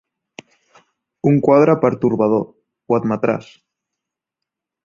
Un quadre pertorbador, ho admetràs.